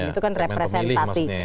itu kan representasi